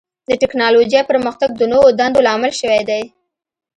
د ټکنالوجۍ پرمختګ د نوو دندو لامل شوی دی.